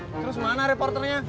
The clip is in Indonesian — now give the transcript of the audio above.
terus mana reporternya